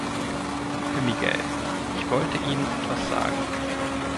Herr Miguel, ich wollte Ihnen etwas sagen.